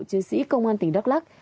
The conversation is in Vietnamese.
chứa sĩ công an tỉnh đắk lắc